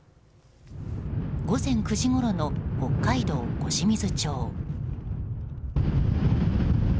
午前９時ごろの北海道小清水町。